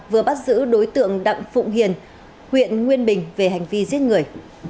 vừa bắt giữ đối tượng đặng phụng hiền huyện nguyên bình về hành vi giết người